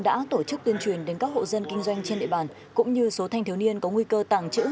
đã tổ chức tuyên truyền đến các hộ dân kinh doanh trên địa bàn cũng như số thanh thiếu niên có nguy cơ tàng trữ